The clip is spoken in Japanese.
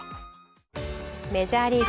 メジャーリーグ。